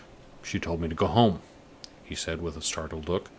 "She told me to go home," he said, with a startled look.